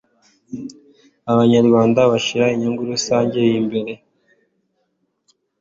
abanyarwanda bashyira inyungu rusange imbere